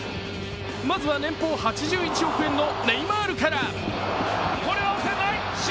まずは年俸８１億円のネイマールから。